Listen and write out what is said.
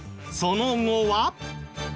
その後は。